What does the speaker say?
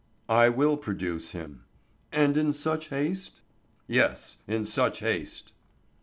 "I will produce him." "And in such haste?" "Yes, in such haste."